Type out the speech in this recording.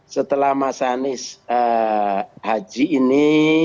setelah mas anies haji ini